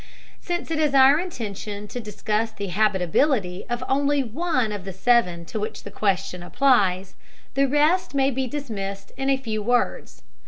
Since it is our intention to discuss the habitability of only one of the seven to which the question applies, the rest may be dismissed in a few words.